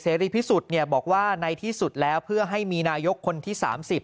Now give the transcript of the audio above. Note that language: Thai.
รีพิสุทธิ์บอกว่าในที่สุดแล้วเพื่อให้มีนายกคนที่๓๐